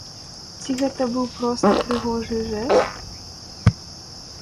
Ці гэта быў проста прыгожы жэст?